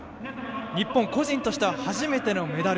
日本個人としては初めてのメダル。